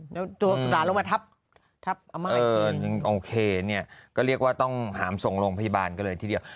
แล้วตัวหลานลงมาทับทับโอเคเนี่ยก็เรียกว่าต้องหามส่งโรงพยาบาลกันเลยทีเดียว